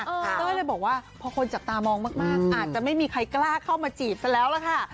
เต้ยเลยบอกว่าพอคนจับตามองมากอาจจะไม่มีใครกล้าเข้ามาจีบซะแล้วล่ะค่ะ